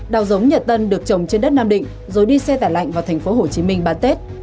đào giống nhật tân được trồng trên đất nam định rồi đi xe tải lạnh vào thành phố hồ chí minh bán tết